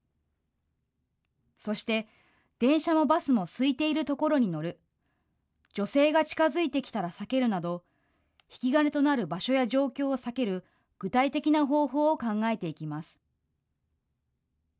そして、電車もバスもすいているところに乗る、女性が近づいてきたら避けるなど引き金となる場所や状況を避ける具体的な方法を考えていきます。